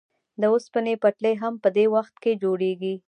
د اوسپنې پټلۍ هم په دې وخت کې جوړېږي